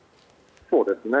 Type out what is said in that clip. そうですね。